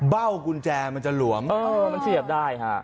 เบ้ากุญแจมันจะหลวมมันเสียบได้ฮะ